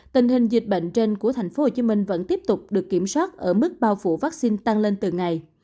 tình hình dịch bệnh trên của tp hcm vẫn tiếp tục được kiểm soát ở mức bao phủ vaccine tăng lên từng ngày